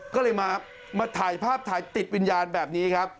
ก็เลยมาถ่ายภาพถ่ายติดวิญญาณแบบนี้ครับ